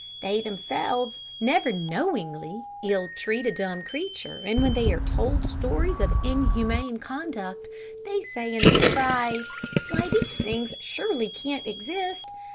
They, themselves, never knowingly ill treat a dumb creature, and when they are told stories of inhuman conduct, they say in surprise, 'Why, these things surely can't exist!'